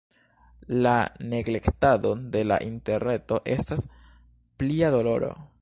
La neglektado de la interreto estas plia doloro.